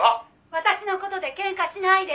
「私の事で喧嘩しないで！